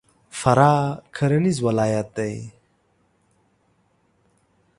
فراه کرهنیز ولایت دی.